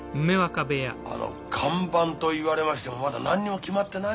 あの看板と言われましてもまだ何にも決まってないんです。